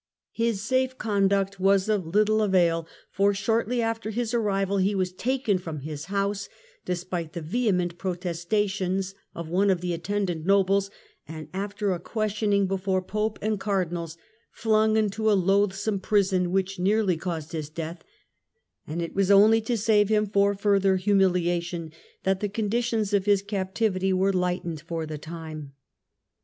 His safe conduct was of little avail, for shortly after his arrival he was taken from his house, despite the vehement protestations of one of the attendant nobles, and after a questioning before Pope and Car dinals, flung into a loathsome prison, which nearly caused his death ; and it was only to save him for further humiliation that the conditions of his captivity were lightened for the time.